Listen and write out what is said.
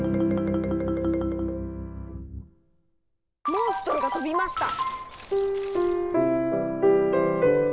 モンストロが飛びました！